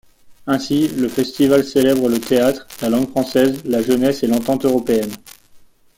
Ainsi, le festival célèbre le théâtre, la langue française, la jeunesse et l'entente européenne.